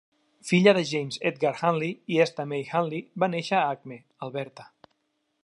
Filla de James Edgar Hunley i Esta May Hunley, va néixer a Acme, Alberta.